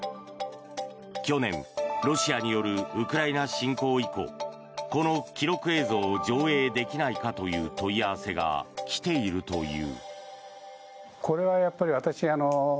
去年、ロシアによるウクライナ侵攻以降この記録映像を上映できないかという問い合わせが来ているという。